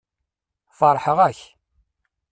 Feṛḥeɣ-ak.